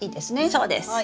そうです！